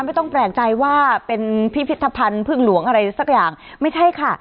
ไม่ต้องแปลกใจว่าเป็นพิพิธภัณฑ์พึ่งหลวงอะไรสักอย่างไม่ใช่ค่ะ